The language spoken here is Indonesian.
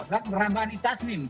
dan ramani tasmin